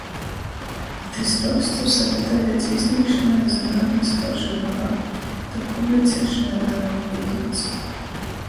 Itys roksts ir sagataviets īsnīgšonai zynuotniskā žurnalā, tok publiciešonai vēļ nav pījimts.